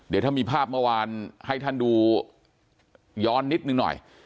เดี๋ยวถ้ามีภาพเมื่อวานให้ท่านดูย้อนนิดนึงหน่อย